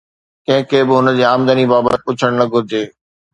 ڪنهن کي به هن جي آمدني بابت پڇڻ نه گهرجي